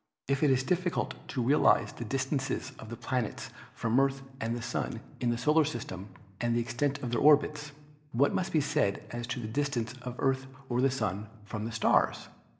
If it is difficult to realize the distances of the planets from the Earth and the Sun in the solar system and the extent of their orbits, what must be said as to the distance of Earth or Sun from the stars?